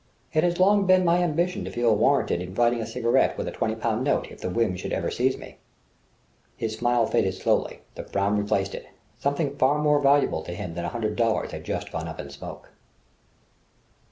It has long been my ambition to feel warranted in lighting a cigarette with a twenty pound note, if the whim should ever seize me!" His smile faded slowly; the frown replaced it: something far more valuable to him than a hundred dollars had just gone up in smoke